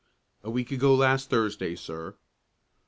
"A week ago last Thursday, sir."